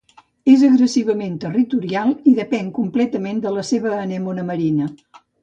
És agressivament territorial i depèn completament de la seva anémona marina.